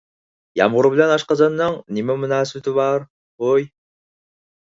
يامغۇر بىلەن ئاشقازاننىڭ نېمە مۇناسىۋىتى بار ھوي؟